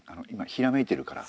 ひらめいてるから。